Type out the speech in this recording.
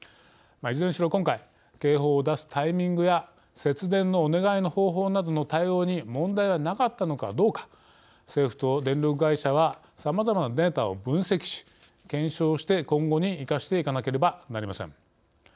いずれにしろ今回警報を出すタイミングや節電のお願いの方法などの対応に問題はなかったのかどうか政府と電力会社はさまざまなデータを分析し検証して今後に生かしていかなければなりません。